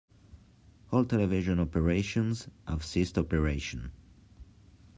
All television operations have ceased operation.